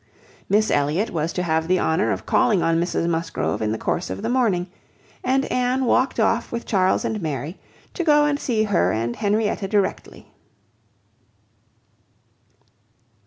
Miss Elliot was to have the honour of calling on Mrs Musgrove in the course of the morning; and Anne walked off with Charles and Mary, to go and see her and Henrietta directly.